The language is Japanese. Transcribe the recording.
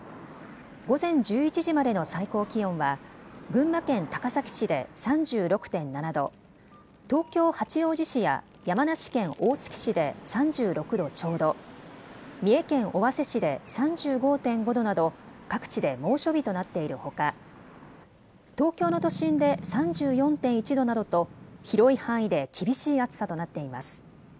午前１１時までの最高気温は群馬県高崎市で３６．７度、東京八王子市や山梨県大月市で３６度ちょうど、三重県尾鷲市で３５．５度など各地で猛暑日となっているほか東京の都心で３４．１度などと広い範囲で厳しい暑さとなっています。